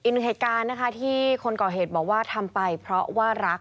อีกหนึ่งเหตุการณ์นะคะที่คนก่อเหตุบอกว่าทำไปเพราะว่ารัก